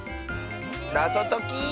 なぞとき。